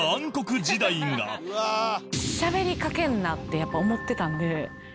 しゃべりかけんなってやっぱ思ってたんで。